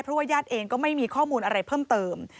เพราะว่าญาติเองก็ไม่มีข้อมูลอะไรเพิ่มเติม